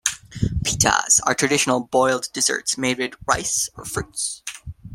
Pithas are traditional boiled desserts made with rice or fruits.